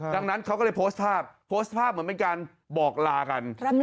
ดังนั้นเขาก็เลยโพสต์ภาพโพสต์ภาพเหมือนเป็นการบอกลากัน